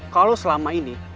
kalau selama ini